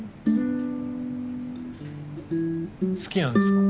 好きなんですか？